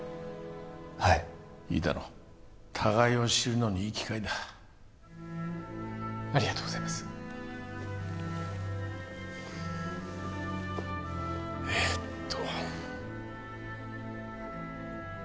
はいいいだろう互いを知るのにいい機会だありがとうございますえっと